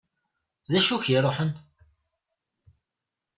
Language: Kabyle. D acu i k-iruḥen?